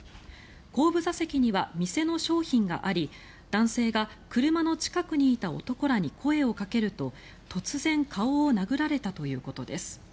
後部座席には店の商品があり男性が車の近くにいた男らに声をかけると突然顔を殴られたということです。